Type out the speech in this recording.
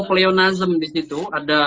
pleonasm disitu ada